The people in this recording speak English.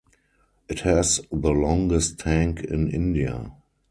It has the longest tank in India.